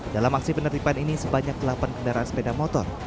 dalam aksi penertiban ini sebanyak delapan kendaraan sepeda motor